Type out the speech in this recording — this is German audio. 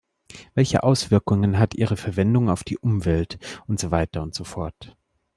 Welche Auswirkungen hat ihre Verwendung auf die Umwelt und so weiter und so fort?